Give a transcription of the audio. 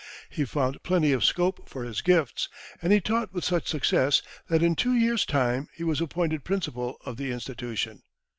He found plenty of scope for his gifts, and he taught with such success that in two years' time he was appointed principal of the Institution.